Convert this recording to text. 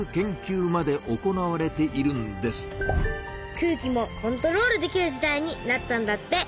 空気もコントロールできる時代になったんだって。